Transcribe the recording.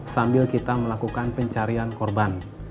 sambil kita melakukan pencarian korban